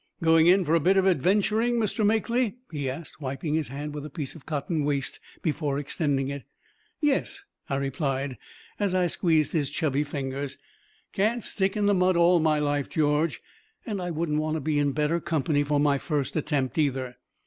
"Going in for a bit of adventuring, Mr. Makely?" he asked, wiping his hand with a piece of cotton waste before extending it. "Yes," I replied, as I squeezed his chubby fingers. "Can't stick in the mud all my life, George. And I wouldn't want to be in better company for my first attempt either."